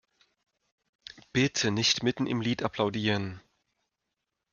Bitte nicht mitten im Lied applaudieren!